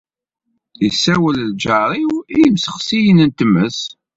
Isawel lǧar-iw i yemsexsiyen n tmes.